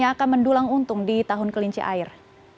yang akan mendulang untung di tahun kelinci air